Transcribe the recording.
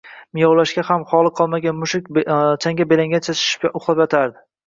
Miyovlashga ham holi qolmagan mushuk changga belangancha shishib uxlab yotar